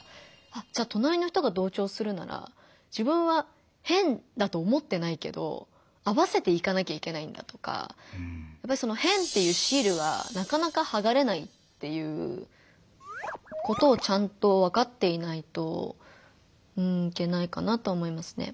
じゃとなりの人が同調するなら自分は変だと思ってないけど合わせていかなきゃいけないんだとかやっぱりその「変」っていうシールはなかなかはがれないっていうことをちゃんとわかっていないといけないかなとは思いますね。